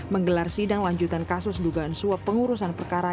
menggelar sidang lanjutan kasus dugaan suap pengurusan perkara